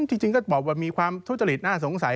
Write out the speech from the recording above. จริงก็บอกว่ามีความทุจริตน่าสงสัย